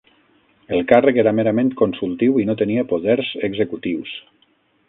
El càrrec era merament consultiu i no tenia poders executius.